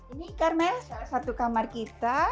ini carmel satu kamar kita